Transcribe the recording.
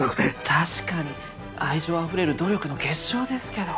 確かに愛情あふれる努力の結晶ですけど。